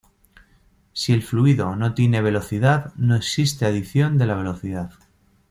Si el fluido no tine velocidad no existe adición de la velocidad.